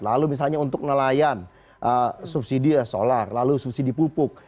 lalu misalnya untuk nelayan subsidi solar lalu subsidi pupuk